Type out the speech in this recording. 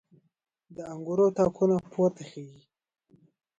د انګور تاکونه پورته خیژي